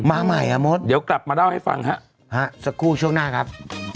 มาใหม่อ่ะมดเดี๋ยวกลับมาเล่าให้ฟังฮะสักครู่ช่วงหน้าครับ